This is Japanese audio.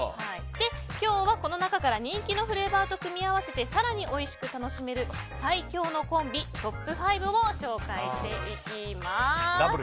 今日はこの中から人気のフレーバーと組み合わせて更においしく楽しめる最強のコンビトップ５を紹介していきます。